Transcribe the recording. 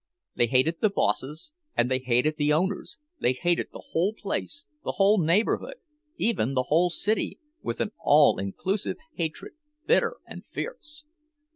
They hated the bosses and they hated the owners; they hated the whole place, the whole neighborhood—even the whole city, with an all inclusive hatred, bitter and fierce.